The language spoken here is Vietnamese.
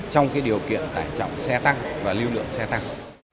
trong điều kiện tải trọng xe tăng và lưu lượng xe tăng